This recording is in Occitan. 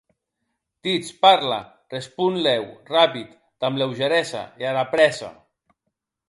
Ditz, parla, respon, lèu, rapid, damb leugeresa e ara prèssa.